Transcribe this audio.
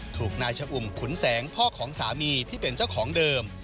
ถูกนายชะอุ่มขุนแสงพ่อของสามีที่เป็นเจ้าของเดิม